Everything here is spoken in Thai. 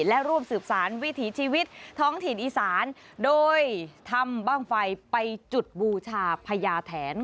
และร่วมสืบสารวิถีชีวิตท้องถิ่นอีสานโดยทำบ้างไฟไปจุดบูชาพญาแถน